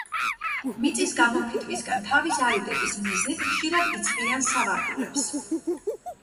მიწის გამოფიტვისგან თავის არიდების მიზნით, ხშირად იცვლიან სავარგულებს.